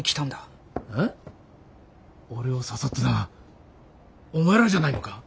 俺を誘ったのはお前らじゃないのか？